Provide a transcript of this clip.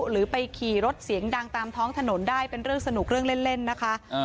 หรือไปขี่รถเสียงดังตามท้องถนนได้เป็นเรื่องสนุกเรื่องเล่นนะคะ